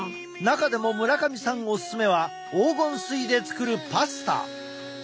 中でも村上さんオススメは黄金水で作るパスタ。